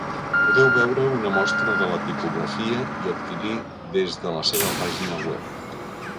Podeu veure una mostra de la tipografia i adquirir des de la seva pàgina web.